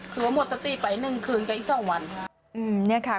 คือว่าหมดสติไป๑คืนกับอีก๒วัน